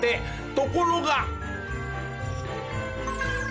ところが。